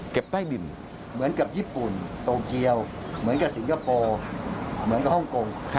ใต้บินเหมือนกับญี่ปุ่นโตเกียวเหมือนกับสิงคโปร์เหมือนกับฮ่องกง